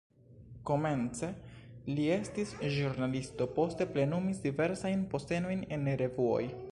Komence li estis ĵurnalisto, poste plenumis diversajn postenojn en revuoj.